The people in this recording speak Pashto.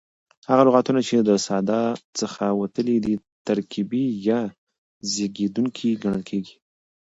هغه لغتونه، چي د ساده څخه وتلي دي ترکیبي یا زېږېدونکي کڼل کیږي.